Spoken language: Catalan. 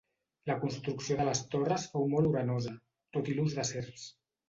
La construcció de les torres fou molt onerosa, tot i l'ús de serfs.